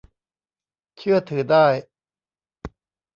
เชื่อถือได้